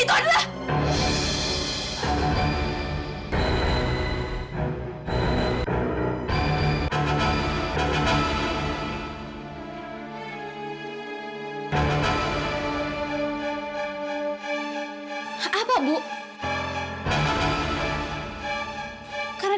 ibu tarik hati tapi pihaknya kau selaluabungi dengan mata thatcher